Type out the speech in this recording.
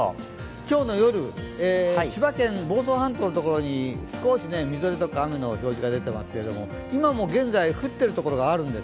今日の夜、千葉県房総半島のところに少しみぞれや雨の表示が出てますけれども、今も現在、降ってる所があるんです。